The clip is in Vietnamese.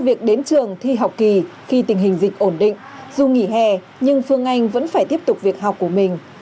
việc đến trường thi học kỳ khi tình hình dịch ổn định dù nghỉ hè nhưng phương anh vẫn phải tiếp tục việc học của mình